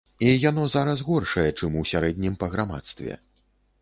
І яно зараз горшае, чым у сярэднім па грамадстве.